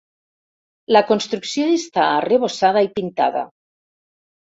La construcció està arrebossada i pintada.